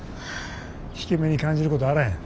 引け目に感じることあらへん。